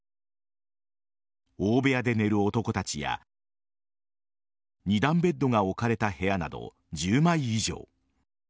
大部屋で寝る男たちや２段ベッドが置かれた部屋など１０枚以上。